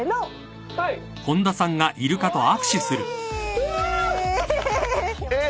うわ！